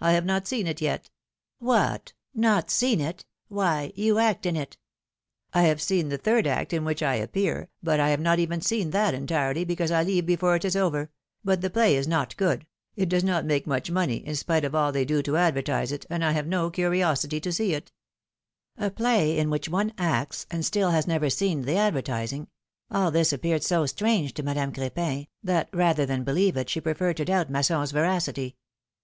I have not seen it yet." What I not seen it ? Why, you act in it !" I have seen the third act, in which I appear, but I 14 218 PHILOMi:NE's IMAERIAGES. have not even seen that entirely, because I leave before it is over; but the play is not good — it does not make much money, in spite of all they do to advertise it, and I have no curiosity to see it/^ A play ill which one acts and still has never seen, the advertising — all this appeared so strange to Madame Cr^pin, that rather than believe it, she preferred to doubt Masson's veracity.